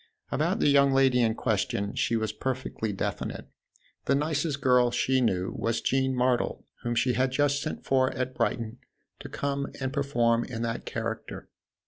About the young lady in question she was perfectly definite ; the nicest girl she knew was Jean Martle, whom she had just sent for at Brighton to come and perform in that character.